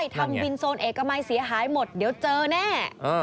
ทำวินโซนเอกมัยเสียหายหมดเดี๋ยวเจอแน่